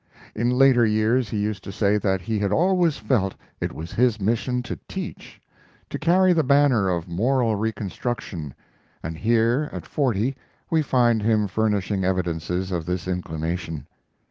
In later years he used to say that he had always felt it was his mission to teach, to carry the banner of moral reconstruction, and here at forty we find him furnishing evidences of this inclination.